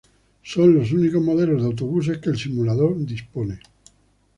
Son los únicos modelos de autobuses que el simulador dispone.